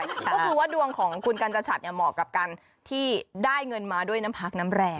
ก็คือว่าดวงของคุณกัญจชัดเหมาะกับการที่ได้เงินมาด้วยน้ำพักน้ำแรง